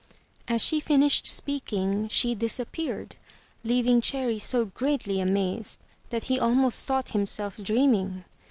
As she finished speaking, she disappeared, leaving Cherry so greatly amazed that he almost thought himself dreaming.